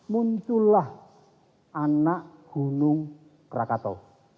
muncullah anak gunung rakata